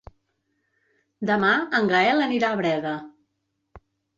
Demà en Gaël anirà a Breda.